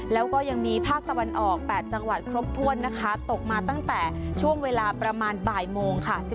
แล้วก็ยังมีภาคตะวันออก๘จังหวัดครบถ้วนนะคะตกมาตั้งแต่ช่วงเวลาประมาณบ่ายโมงค่ะ